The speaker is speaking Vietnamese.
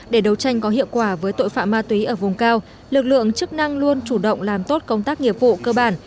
để đấu tranh có hiệu quả với tội phạm ma túy ở vùng cao lực lượng chức năng luôn chủ động làm tốt công tác nghiệp vụ cơ bản